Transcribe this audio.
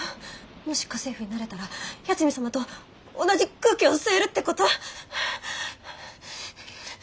もし家政婦になれたら八海サマと同じ空気を吸えるってこと！？